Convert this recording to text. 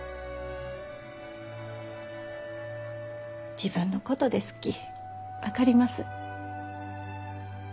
自分のことですき分かります。